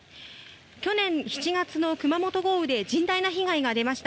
去年７月の熊本豪雨で甚大な被害が出ました。